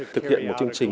thực hiện một chương trình